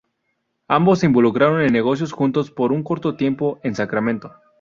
Ambos se involucraron en negocios juntos por un corto tiempo en Sacramento.